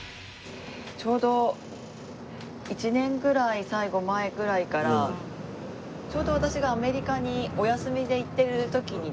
ちょうど１年ぐらい最後前ぐらいからちょうど私がアメリカにお休みで行ってる時にですね